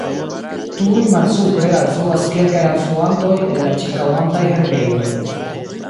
Tuj malsupre alfluas kelkaj alfluantoj el la ĉirkaŭantaj herbejoj.